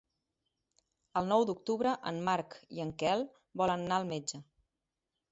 El nou d'octubre en Marc i en Quel volen anar al metge.